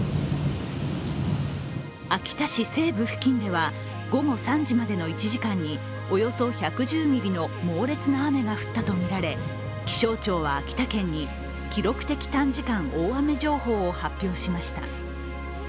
秋田市西部付近では、午後３時までの１時間におよそ１１０ミリの猛烈な雨が降ったとみられ、気象庁は秋田県に記録的短時間大雨情報を発表しました。